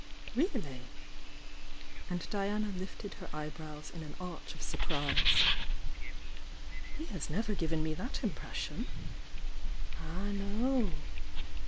"Really!" and Diana lifted her eyebrows in an arch of surprise. 'He has never given me that im pression." "Ah, no!"